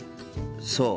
そう。